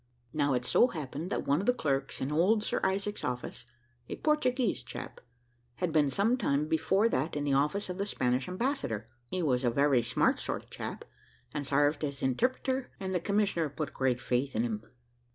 Now it so happened, that one of the clerks in old Sir Isaac's office, a Portuguese chap, had been some time before that in the office of the Spanish ambassador; he was a very smart sort of a chap, and sarved as interpreter, and the commissioner put great faith in him."